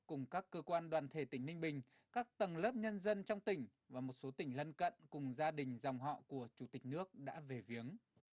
cùng các cơ quan đoàn thể tỉnh ninh bình các tầng lớp nhân dân trong tỉnh và một số tỉnh lân cận cùng gia đình dòng họ của chủ tịch nước đã về viếng